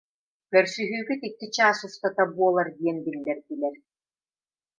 Көрсүһүүгүт икки чаас устата буолар диэн биллэрдилэр